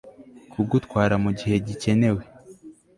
kugutwara mugihe gikenewe